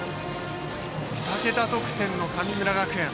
２桁得点の神村学園。